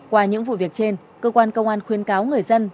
qua những vụ việc trên cơ quan công an khuyên cáo người dân